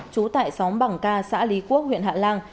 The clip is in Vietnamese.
chú tại xóm bảng ca xã lý quốc huyện hạ lăng